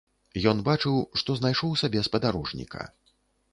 Ён бачыў, што знайшоў сабе спадарожніка.